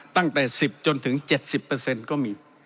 ตั้งแต่๑๐จนถึง๗๐ก็มี